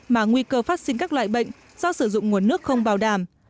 mà nguy cơ phát sinh các loại bệnh do sử dụng nguồn nước không bảo đảm